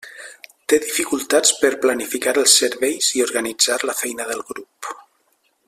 Té dificultats per planificar els serveis i organitzar la feina del grup.